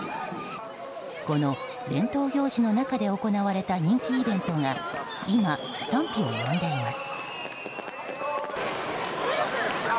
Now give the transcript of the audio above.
この伝統行事の中で行われた人気イベントが今、賛否を呼んでいます。